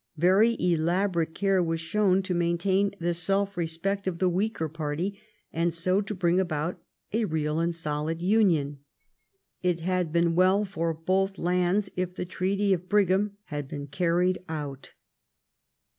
Very elaborate care was shown to maintain the self respect of the weaker party, and so to bring about a real and solid union. It had been well for both lands if the Treaty of Brigham had been carried out.